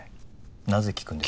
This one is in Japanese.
なぜ聞くんです？